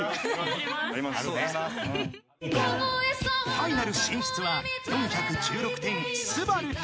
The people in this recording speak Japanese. ［ファイナル進出は４１６点すばるか？］